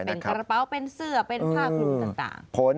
เป็นกระเป๋าเป็นเสื้อเป็นผ้าคลุมต่าง